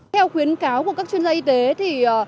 theo khuyến cáo của các chuyên gia y tế thì